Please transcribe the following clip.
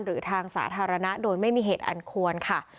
หรือทางสาธารณะโดยไม่มีเหตุอันควรค่ะ